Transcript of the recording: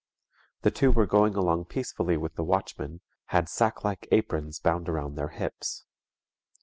The two were going along peacefully with the watchman, had sack like aprons bound around their hips.